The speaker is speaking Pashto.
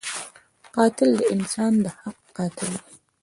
قاتل د انسان د حق قاتل وي